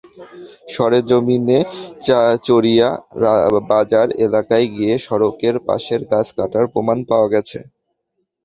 সরেজমিনে চারিয়া বাজার এলাকায় গিয়ে সড়কের পাশের গাছ কাটার প্রমাণ পাওয়া গেছে।